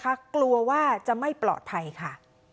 เข้ารู้ว่าจะไม่ปลอดภัยค่ะ